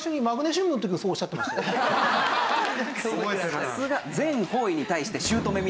さすが。